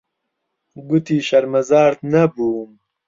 گوتی شەرمەزار نەبووم.